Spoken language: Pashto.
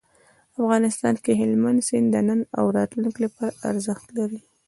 افغانستان کې هلمند سیند د نن او راتلونکي لپاره ارزښت لري.